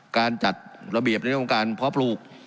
การจัดระเบียบในตรงการพอปลูก